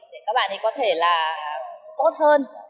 để các bạn ấy có thể là tốt hơn